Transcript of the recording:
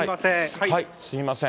すみません。